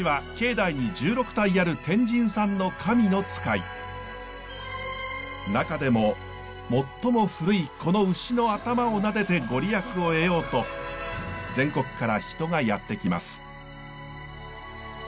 実は牛は中でも最も古いこの牛の頭を撫でて御利益を得ようと全国から人がやって来ます。